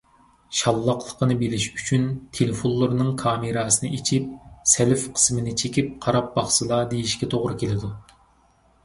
شاللاقلىقنى بىلىش ئۈچۈن تېلېفونلىرىنىڭ كامېراسىنى ئېچىپ self قىسمىنى چېكىپ قاراپ باقسىلا، دېيشكە توغرا كېلىدۇ.